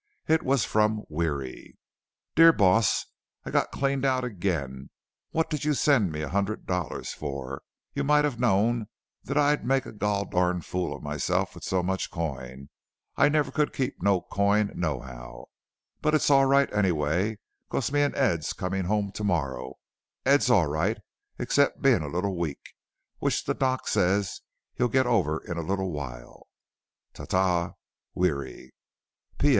It was from Weary. Dear boss i got cleaned out agin what did you send me a hundred dollars for you might have knowed that id make a gol darned fool of myself with so much coin i never could keep no coin no how but its all right anyway cause me an eds comin home tomorrow eds all right except bein a littel week which the doc says he git over in a littel while. ta ta. WEARY P.